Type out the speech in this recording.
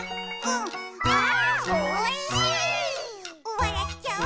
「わらっちゃう」